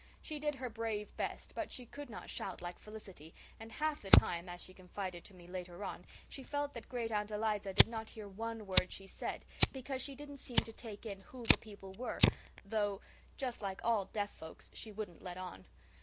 She did her brave best but she could not shout like Felicity, and half the time, as she confided to me later on, she felt that Great aunt Eliza did not hear one word she said, because she didn't seem to take in who the people were, though, just like all deaf folks, she wouldn't let on.